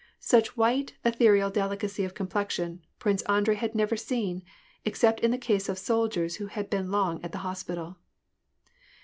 Such white and ethereal delicacy of complexion, Prince Andrei had never seen, except in the case of soldiers who had been long at the hospital.